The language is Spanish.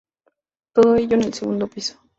Todo ello en el segundo piso.